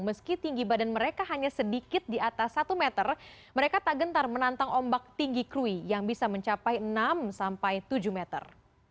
meski tinggi badan mereka hanya sedikit di atas satu meter mereka tak gentar menantang ombak tinggi krui yang bisa mencapai enam sampai tujuh meter